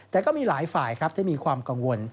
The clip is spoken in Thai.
แต่ก็มีหลายฝ่ายครับที่มีความกังวล